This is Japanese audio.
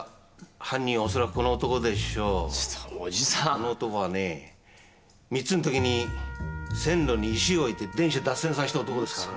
この男はね３つん時に線路に石置いて電車脱線させた男ですからね。